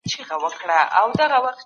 هر انسان باید امید ولري.